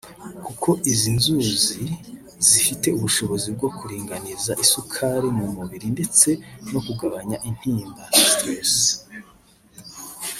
kuko izi nzuzi zifite ubushobozi bwo kuringaniza isukari mu mubiri ndetse no kugabanya intimba (stress)